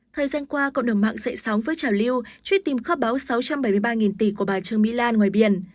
thời gian qua cộng đồng mạng dậy sóng với trào lưu truy tìm kho báo sáu trăm bảy mươi ba tỷ của bà trương mỹ lan ngoài biển